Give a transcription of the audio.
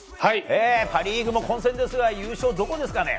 パ・リーグも混戦ですが優勝、どこですかね？